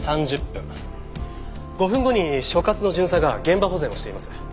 ５分後に所轄の巡査が現場保全をしています。